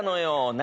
何？